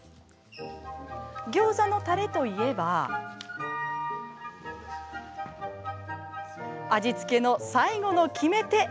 ギョーザのたれといえば味付けの最後の決め手！